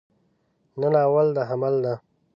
نن اول د حمل ده